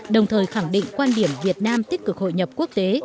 đồng thời khẳng định quan điểm việt nam tích cực hội nhập quốc tế